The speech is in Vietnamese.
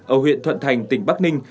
ở huyện thuận thành tỉnh bắc ninh